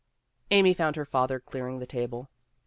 Amy found her father clearing the table.